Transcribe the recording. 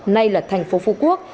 nay là thành phố phú quốc